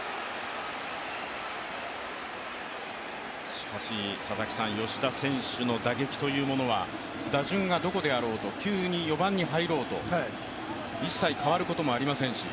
しかし、吉田選手の打撃というものは打順がどこであろうと急に４番に入ろうと、一切変わることもありませんし。